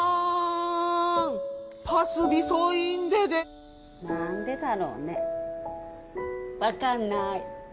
パスビソインデデ何でだろうね分かんない・